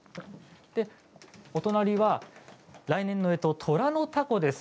お隣は来年のえととらの凧です。